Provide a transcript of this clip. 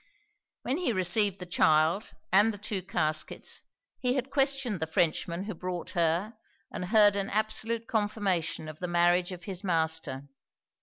When he received the child and the two caskets, he had questioned the Frenchman who brought her and heard an absolute confirmation of the marriage of his master.